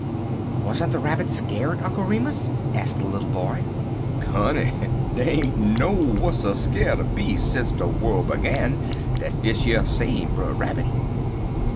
"Wasn't the Rabbit scared, Uncle Remus?" asked the little boy. "Honey, dey ain't been no wusser skeer'd beas' sence de worl' begin dan dish yer same Brer Rabbit.